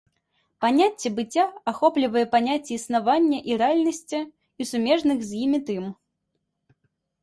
Паняцце быцця ахоплівае паняцце існаванне і рэальнасці і сумежных з імі тым.